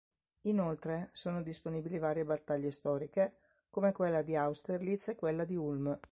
Inoltre, sono disponibili varie battaglie storiche, come quella di Austerlitz e quella di Ulm.